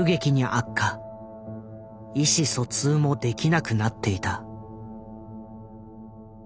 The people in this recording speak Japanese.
意思疎通もできなくなっていた。